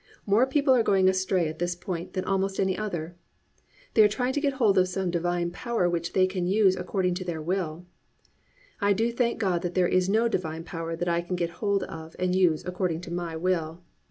More people are going astray at this point than almost any other. They are trying to get hold of some divine power which they can use according to their will. I do thank God that there is no divine power that I can get hold of and use according to my will.